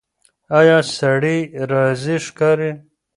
ایا سړی راضي ښکاري؟